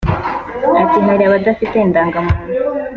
Ati “Hari abadafite indagamuntu